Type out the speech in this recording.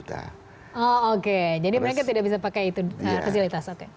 jadi mereka tidak bisa pakai itu kecilitas